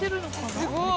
すごい。